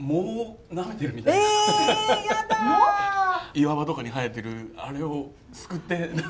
岩場とかに生えてるアレをすくって。